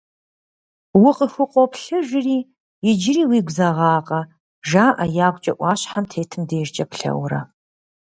Укъыхукъуоплъыжри, иджыри уигу зэгъакъэ?! — жаӏэ ягукӏэ ӏуащхьэм тетым дежкӏэ плъэурэ.